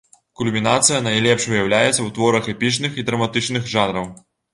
Кульмінацыя найлепш выяўляецца ў творах эпічных і драматычных жанраў.